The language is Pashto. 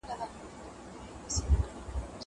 زه پرون د ښوونځی لپاره امادګي نيسم وم!!